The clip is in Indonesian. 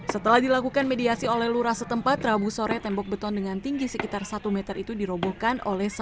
setelah dilakukan mediasi oleh lurah setempat rabu sore tembok beton dengan tinggi sekitar satu meter itu dirobohkan oleh